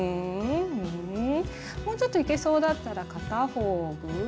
もうちょっといけそうだったら片方ぐうわ。